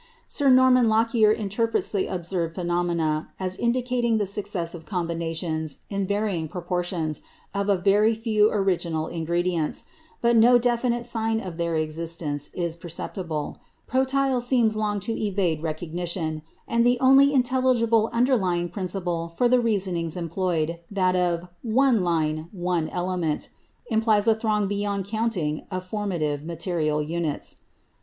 Sir Norman Lockyer interprets the observed phenomena as indicating the successive combinations, in varying proportions, of a very few original ingredients; but no definite sign of their existence is perceptible; "protyle" seems likely long to evade recognition; and the only intelligible underlying principle for the reasonings employed that of "one line, one element" implies a throng beyond counting of formative material units.